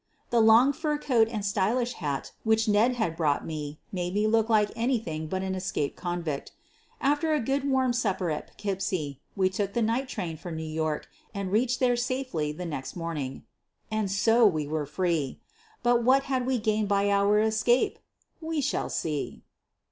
The long fur coat and stylish hat which Ned had brought made me look like anything but an escaped convict After a good warm supper at Poughkeep sie, we took the night train for New York and [reached there safely the next morning. And so we were free! But what had we gained by our escape? We shall see.